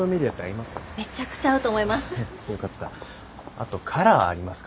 あとカラーありますか？